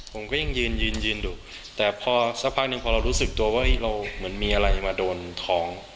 ผมก็ยังยืนยืนอยู่แต่พอสักพักหนึ่งพอเรารู้สึกตัวว่าเราเหมือนมีอะไรมาโดนท้อง